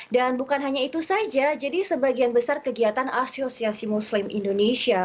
dan bukan hanya itu saja jadi sebagian besar kegiatan asosiasi muslim indonesia